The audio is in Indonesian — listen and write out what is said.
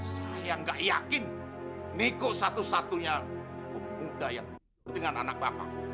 saya nggak yakin niko satu satunya pemuda yang dengan anak bapak